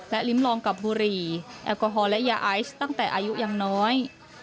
ลิ้มลองกับบุหรี่แอลกอฮอลและยาไอซ์ตั้งแต่อายุยังน้อย